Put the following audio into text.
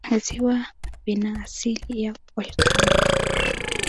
Visiwa vina asili ya volikano.